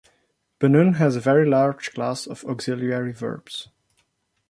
Bunun has a very large class of auxiliary verbs.